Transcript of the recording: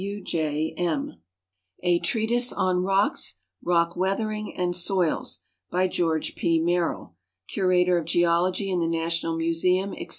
126 GEOGRAPHIC LITERATURE A Treatise on Rocks, Rock Weathering, and Soils. By George P. Merrill, Curator of Geology in the National Museum, etc.